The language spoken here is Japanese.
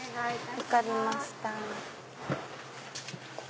分かりました。